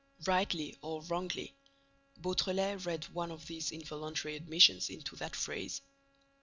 Rightly or wrongly, Beautrelet read one of these involuntary admissions into that phrase.